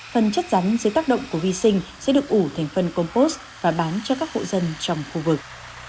phần chất rắn dưới tác động của vi sinh sẽ được ủ thành phần compost và bán cho các hộ dân trong khu vực